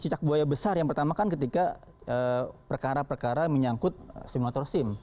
cicak buaya besar yang pertama kan ketika perkara perkara menyangkut simulator sim